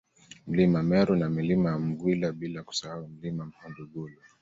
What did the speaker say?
Mlima Meru na Milima ya Mgwila bila kusahau Mlima Mhundugulu